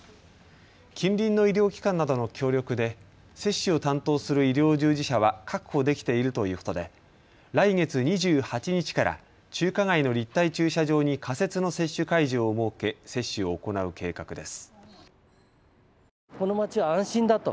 近隣の医療機関などの協力で接種を担当する医療従事者は確保できているということで来月２８日から中華街の立体駐車場に仮設の接種会場を設け、接種を行う計画です。